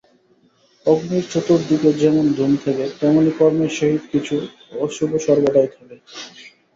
অগ্নির চতুর্দিকে যেমন ধূম থাকে, তেমনি কর্মের সহিত কিছু অশুভ সর্বদাই থাকে।